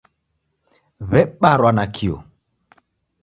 W'ebarwa nakio.